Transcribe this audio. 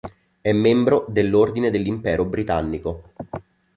È membro dell'Ordine dell'Impero Britannico.